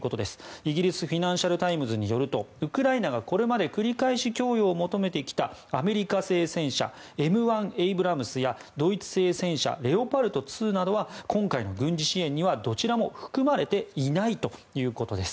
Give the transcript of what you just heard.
イギリスフィナンシャル・タイムズによるとウクライナが、これまで繰り返し供与を求めてきたアメリカ製戦車Ｍ１エイブラムスやドイツ製戦車レオパルト２などは今回の軍事支援にはどちらも含まれていないということです。